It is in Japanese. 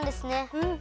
うん！